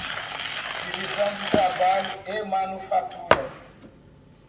Divisão do trabalho e manufactura